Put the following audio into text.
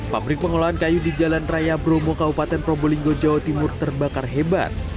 pabrik pengolahan kayu di jalan raya bromo kabupaten probolinggo jawa timur terbakar hebat